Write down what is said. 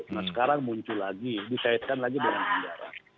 nah sekarang muncul lagi dikaitkan lagi dengan anggaran